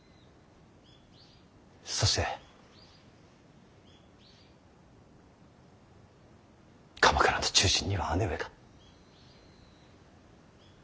そして鎌倉の中心には姉上が。